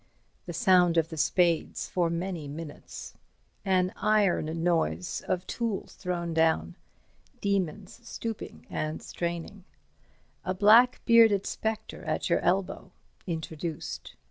The sound of the spades for many minutes. An iron noise of tools thrown down. Demons stooping and straining. A black bearded spectre at your elbow. Introduced.